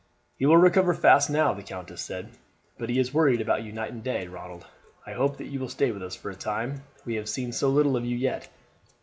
"He will recover fast now," the countess said; "but he has worried about you night and day, Ronald. I hope that you will stay with us for a time. We have seen so little of you yet."